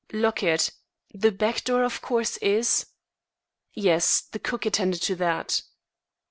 "Lock it. The back door, of course, is." "Yes, the cook attended to that."